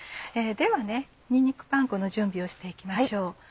ではにんにくパン粉の準備をして行きましょう。